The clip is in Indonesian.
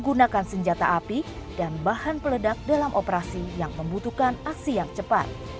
gak pernah kumpul sama warga